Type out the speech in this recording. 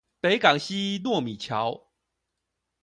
北港溪糯米橋